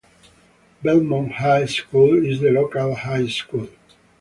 Belmont High School is the local high school.